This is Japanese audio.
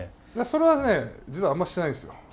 それはね実はあんましてないんですよ。